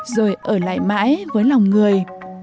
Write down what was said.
rồi ở lại mãi với lòng người